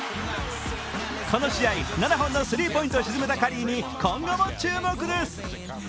この試合７本のスリーポイントを沈めたカリーに今後も注目です。